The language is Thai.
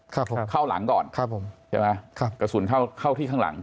ครับผมเข้าหลังก่อนครับผมใช่ไหมครับกระสุนเข้าเข้าที่ข้างหลัง